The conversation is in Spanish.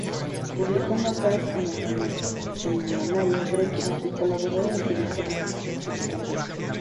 Publicó notas en el semanario Brecha y colaboró en revistas nacionales y extranjeras.